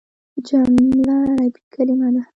جمله عربي کليمه ده.